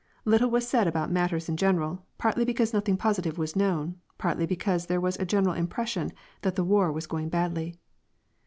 Little was said about matters in general, partly because nothing positive was known, partly be cause there was a general impression that the war was going badly.